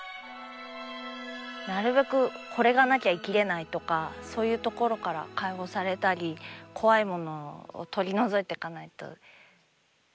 なるべく「これがなきゃ生きれない」とかそういうところから解放されたり怖いものを取り除いていかないと駄目だなと思って。